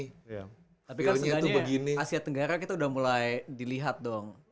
tapi kan asia tenggara kita udah mulai dilihat dong